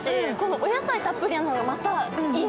お野菜たっぷりなのが、またいい。